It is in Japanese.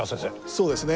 そうですね。